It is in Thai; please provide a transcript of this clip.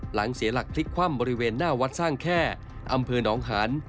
เสียหลักพลิกคว่ำบริเวณหน้าวัดสร้างแค่อำเภอหนองหาน